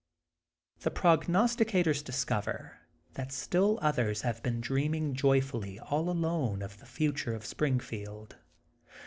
The Prognosticators discover that still others hav^ been dreaming joyfully all alone of the future of Springfield.